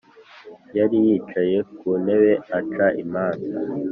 Yari yicaye ku ntebe aca imanza